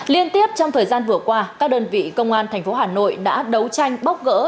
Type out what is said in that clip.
liên tiếp trong thời gian vừa qua các đơn vị công an thành phố hà nội đã đấu tranh bóc gỡ